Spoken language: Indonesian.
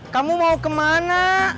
kamu mau kemana